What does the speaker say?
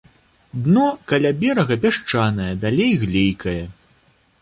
Дно каля берага пясчанае, далей глейкае.